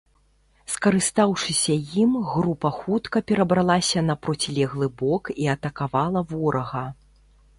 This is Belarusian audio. Скарыстаўшыся ім, група хутка перабралася на процілеглы бок і атакавала ворага.